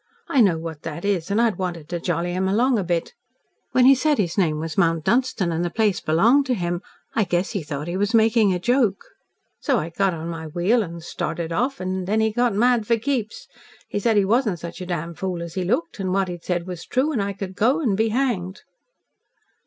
I know what that is, and I'd wanted to jolly him along a bit. When he said his name was Mount Dunstan, and the place belonged to him, I guessed he thought he was making a joke. So I got on my wheel and started off, and then he got mad for keeps. He said he wasn't such a damned fool as he looked, and what he'd said was true, and I could go and be hanged."